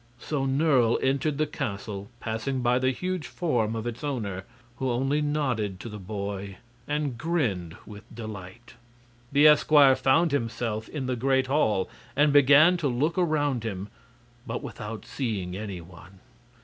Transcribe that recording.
So Nerle entered the castle, passing by the huge form of its owner, who only nodded to the boy and grinned with delight. The esquire found himself in the great hall and began to look around him, but without seeing any one.